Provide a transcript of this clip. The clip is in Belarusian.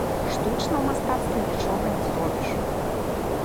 Штучна ў мастацтве нічога не зробіш.